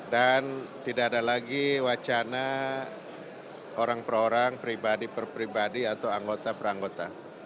dan tidak ada lagi wacana orang per orang pribadi per pribadi atau anggota per anggota